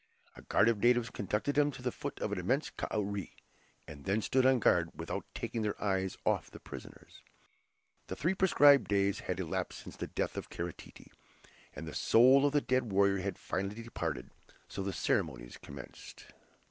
A guard of natives conducted them to the foot of an immense kauri, and then stood on guard without taking their eyes off the prisoners. The three prescribed days had elapsed since the death of Kara Tete, and the soul of the dead warrior had finally departed; so the ceremonies commenced.